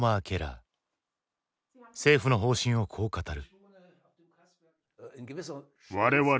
政府の方針をこう語る。